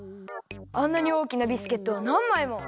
あんなにおおきなビスケットをなんまいも。